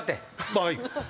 はい。